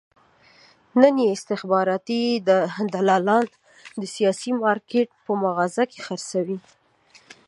نن یې استخباراتي دلالان د سیاسي مارکېټ په مغازه کې خرڅوي.